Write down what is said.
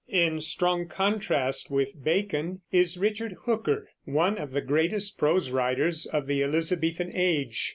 1600) In strong contrast with Bacon is Richard Hooker, one of the greatest prose writers of the Elizabethan Age.